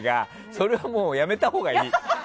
それはやめたほうがいい！